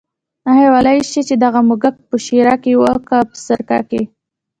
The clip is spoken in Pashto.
آیا ویلای شې چې دغه موږک په شېره کې و که په سرکه کې.